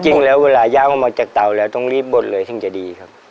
จริงแล้วเวลาย่างออกมาจากเตาแล้วต้องรีบบดเลยถึงจะดีครับ